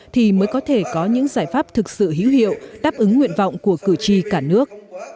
thì mới có thể có những giải pháp thực sự hữu hiệu đáp ứng nguyện vọng của cử tri cả nước